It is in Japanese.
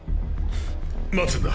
待つんだ。